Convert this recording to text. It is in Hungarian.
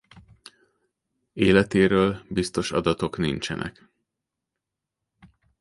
Életéről biztos adatok nincsenek.